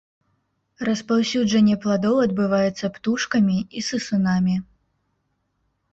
Распаўсюджанне пладоў адбываецца птушкамі і сысунамі.